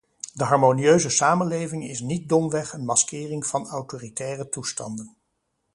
De harmonieuze samenleving is niet domweg een maskering van autoritaire toestanden.